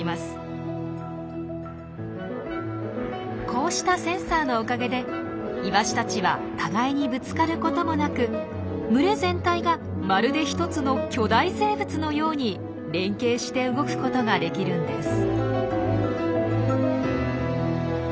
こうしたセンサーのおかげでイワシたちは互いにぶつかることもなく群れ全体がまるで一つの巨大生物のように連係して動くことができるんです。